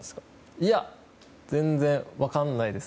いや、全然分からないです。